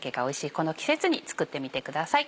この季節に作ってみてください。